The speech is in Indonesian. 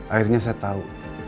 akhirnya saya tahu